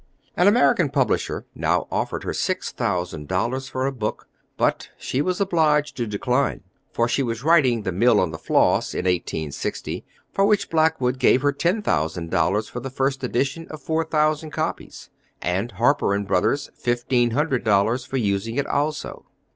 An American publisher now offered her six thousand dollars for a book, but she was obliged to decline, for she was writing the Mill on the Floss, in 1860, for which Blackwood gave her ten thousand dollars for the first edition of four thousand copies, and Harper & Brothers fifteen hundred dollars for using it also.